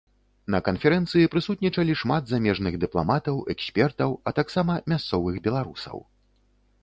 На канферэнцыі прысутнічалі шмат замежных дыпламатаў, экспертаў, а таксама мясцовых беларусаў.